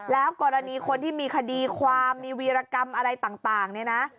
แล้วกรณีคนที่มีคดีความมีวีรกรรมอะไรต่างเนี่ยนะ